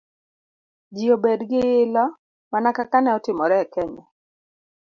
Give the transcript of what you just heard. ji obed gi ilo, mana kaka ne otimore e Kenya